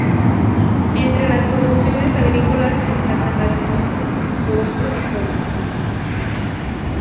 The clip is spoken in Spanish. Entre las producciones agrícolas se destacan las de mijo, porotos y soya.